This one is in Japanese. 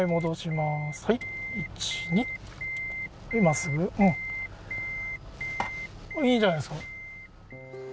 いいんじゃないですか。